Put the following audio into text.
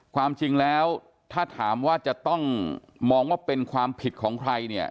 ความจริงแล้วถ้าถามว่าจะต้องมองว่าเป็นความผิดของใครเนี่ย